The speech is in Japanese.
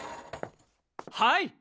はい！